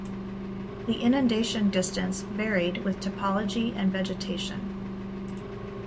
The inundation distance varied with topology and vegetation.